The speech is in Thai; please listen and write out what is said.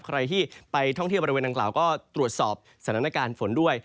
ใครที่ไปท่องเที่ยวบริเวณดังกล่าวก็ตรวจสอบสถานการณ์ฝนด้วย